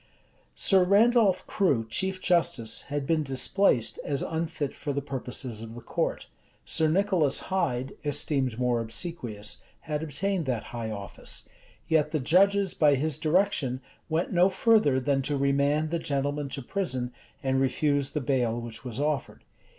{1627.} Sir Randolf Crew, chief justice, had been displaced, as unfit for the purposes of the court: Sir Nicholas Hyde, esteemed more obsequious, had obtained that high office: yet the judges, by his direction, went no further than to remand the gentlemen to prison, and refuse the bail which was offered.